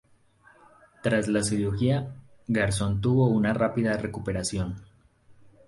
Tras la cirugía Garzón tuvo una rápida recuperación.